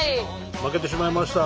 負けてしまいました。